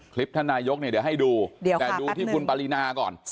คลิปท่านนายกเดี๋ยวล่ะให้ดูแต่ดูที่คุณป๊ารินาก่อน